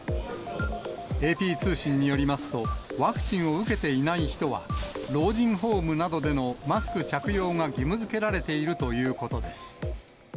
ＡＰ通信によりますと、ワクチンを受けていない人は、老人ホームなどでのマスク着用が義務づけられているということです。